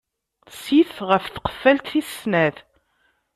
Sit ɣef tqeffalt tis snat.